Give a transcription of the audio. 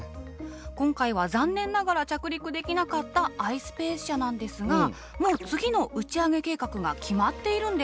今回は残念ながら着陸できなかったｉｓｐａｃｅ社なんですがもう次の打ち上げ計画が決まっているんです。